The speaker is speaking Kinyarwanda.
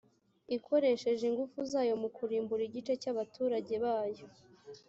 ikoresheje ingufu zayo mu kurimbura igice cy abaturage bayo